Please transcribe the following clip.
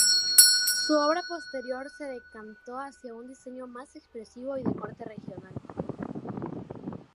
Su obra posterior se decantó hacia un diseño más expresivo y de corte regional.